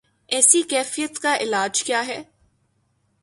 ایسی کیفیت کا علاج کیا ہے؟